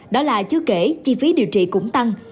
đó là chưa kể chi phí điều trị cũng tăng